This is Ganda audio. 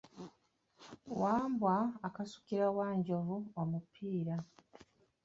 Wambwa akasukira Wanjovu omupiira.